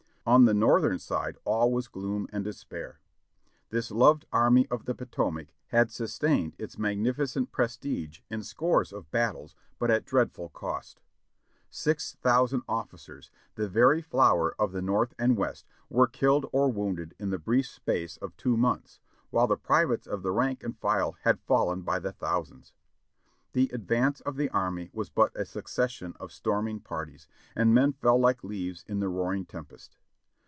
On the Northern side all was gloom and despair. This loved Army of the Potomac had sustained its magnificent prestige in scores of battles but at dreadful cost. Six thousand of^cers, the \ery flower of the North and West, were killed or wounded in the brief space of two months, while the privates of the rank and file had fallen by the thousands. The advance of the army was but a succession of storming parties, and men fell like leaves in the roaring tempest.